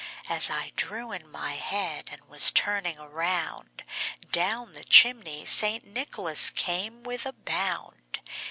As I drew in my head, and was turning around, Down the chimney St. Nicholas came with a bound.